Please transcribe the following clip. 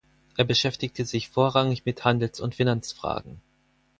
Er beschäftigte sich vorrangig mit Handels- und Finanzfragen.